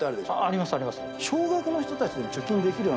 ありますあります。